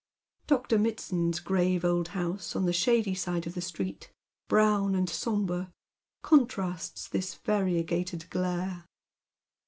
Dr. Mitsand's grave old house on the shady side of the street, bro^^■fl and sombre, contrasts this variegated glare.